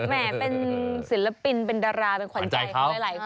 แหมเป็นศิลปินเป็นดาราเป็นขวัญใจของหลายคน